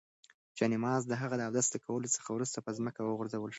جاینماز د هغې د اودس کولو څخه وروسته په ځمکه وغوړول شو.